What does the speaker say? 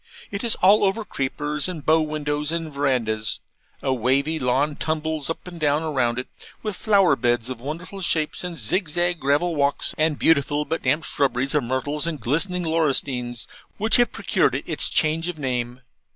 It is all over creepers, and bow windows, and verandahs. A wavy lawn tumbles up and down all round it, with flower beds of wonderful shapes, and zigzag gravel walks, and beautiful but damp shrubberies of myrtles and glistening laurustines, which have procured it its change of name.